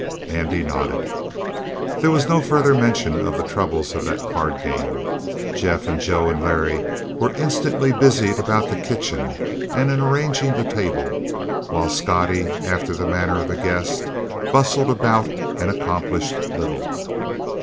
Andy nodded. There was no further mention of the troubles of that card game. Jeff and Joe and Larry were instantly busied about the kitchen and in arranging the table, while Scottie, after the manner of a guest, bustled about and accomplished little.